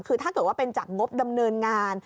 คือถ้าเกิดว่าเป็นจากงบดำเนินงาน